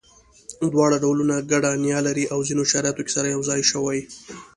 دواړه ډولونه ګډه نیا لري او ځینو شرایطو کې سره یو ځای شوي.